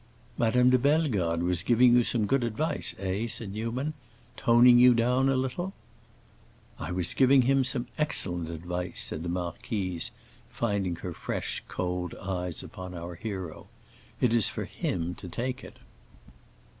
"Madame de Bellegarde was giving you some good advice, eh?" said Newman; "toning you down a little?" "I was giving him some excellent advice," said the marquise, fixing her fresh, cold eyes upon our hero. "It's for him to take it."